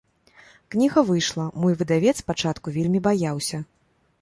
Кніга выйшла, мой выдавец спачатку вельмі баяўся.